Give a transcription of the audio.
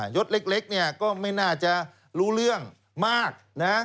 ศเล็กเนี่ยก็ไม่น่าจะรู้เรื่องมากนะ